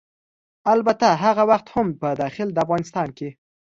البته هغه وخت هم په داخل د افغانستان کې